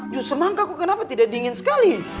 jus semangka kok kenapa tidak dingin sekali